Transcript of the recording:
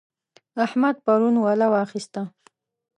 احمد پرون ولا واخيسته.